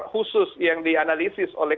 khusus yang dianalisis oleh